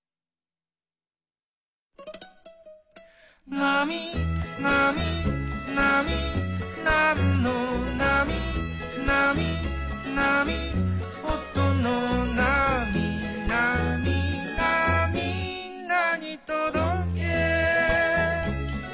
「なみなみなみなんのなみ」「なみなみおとのなみ」「なみなみんなにとどけ！」